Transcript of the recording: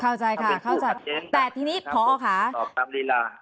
เข้าใจคะแต่ทีนี้พ่อค่ะเพราะตามฤลา